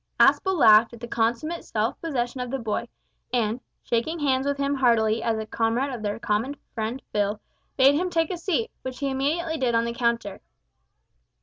Aspel laughed at the consummate self possession of the boy, and shaking hands with him heartily as a comrade of their common friend Phil, bade him take a seat, which he immediately did on the counter.